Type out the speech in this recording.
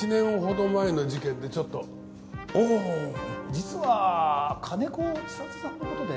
実は金子千里さんの事で。